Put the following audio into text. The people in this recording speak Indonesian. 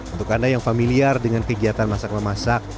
untuk anda yang familiar dengan kegiatan masak memasak